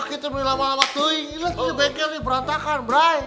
kamu sakit lebih lama waktu ini beker di perantakan bray